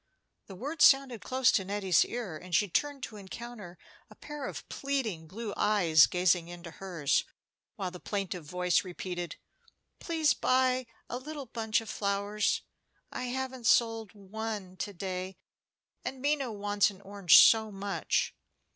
The words sounded close to Nettie's ear, and she turned to encounter a pair of pleading blue eyes gazing into hers, while the plaintive voice repeated, "Please buy a little bunch of flowers; I haven't sold one to day, and Minna wants an orange so much."